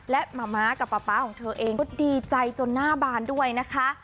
และมะม้ากับป๊าป๊าของเธอเองก็ดีใจจนหน้าบานด้วยนะคะ